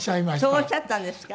そうおっしゃったんですか？